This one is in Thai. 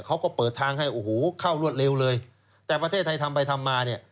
เขาก็เปิดทางให้โอ้โหเข้ารวดเร็วเลยแต่ประเทศไทยทำไปทำมาเนี่ย